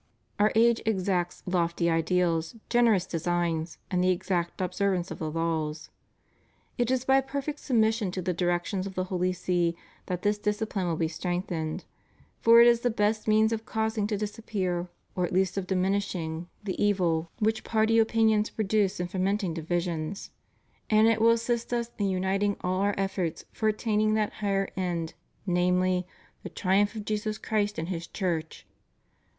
Our age exacts lofty ideals, generous designs, and the exact observance of the laws. It is by a perfect submission to the directions of the Holy See that this discipline will be strengthened, for it is the best means of causing to dis appear or at least of diminishing the evil which party 580 REVIEW OF HIS PONTIFICATE. opinions produce in f(^menting divisions; and it will assist us in uniting all our efforts for attaining that higher end, namely, the triumph of Jesus Christ and His Church.